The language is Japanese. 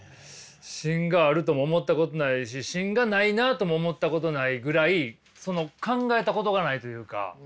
芯があるとも思ったことないし芯がないなとも思ったことないぐらいその考えたことがないというか。